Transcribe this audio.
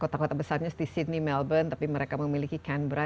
kota kota besarnya di sydney melbourne tapi mereka memiliki canbra